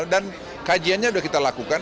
dan kajiannya udah kita lakukan